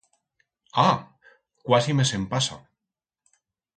Ah!, cuasi me se'n pasa.